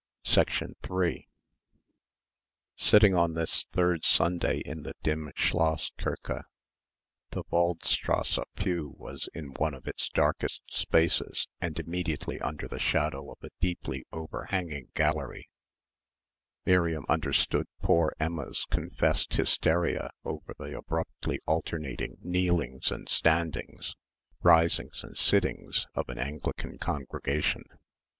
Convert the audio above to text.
3 Sitting on this third Sunday morning in the dim Schloss Kirche the Waldstrasse pew was in one of its darkest spaces and immediately under the shadow of a deeply overhanging gallery Miriam understood poor Emma's confessed hysteria over the abruptly alternating kneelings and standings, risings and sittings of an Anglican congregation.